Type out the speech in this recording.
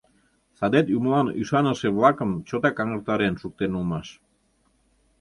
Садет юмылан ӱшаныше-влакым чотак аҥыртарен шуктен улмаш.